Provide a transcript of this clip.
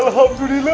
rahim cuma itu baix